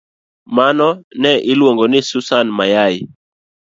Mano ne Iluong'o ni Susan Nya Mayai